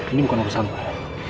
ini bukan urusan pak